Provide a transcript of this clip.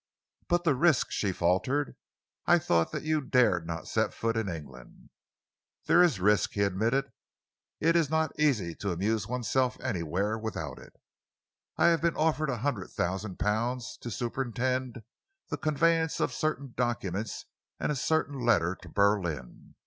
"But the risk!" she faltered. "I thought that you dared not set foot in England." "There is risk," he admitted. "It is not easy to amuse oneself anywhere without it. I have been offered a hundred thousand pounds to superintend the conveyance of certain documents and a certain letter to Berlin.